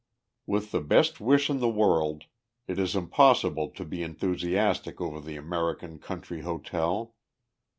With the best wish in the world, it is impossible to be enthusiastic over the American country hotel.